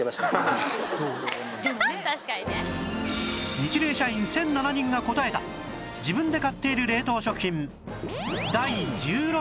ニチレイ社員１００７人が答えた自分で買っている冷凍食品